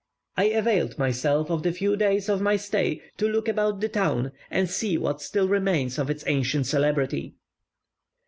I availed myself of the few days of my stay to look about the town, and see what still remains of its ancient celebrity.